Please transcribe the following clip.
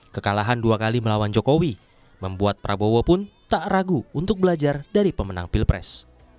kekalahan dua kali melawan jokowi membuat prabowo pun tak ragu untuk belajar dari pemenang pilpres